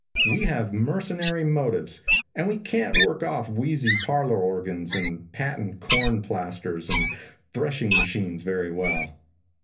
We have mercenary motives, and we can't work off wheezy parlor organs and patent corn plasters and threshing machines very well.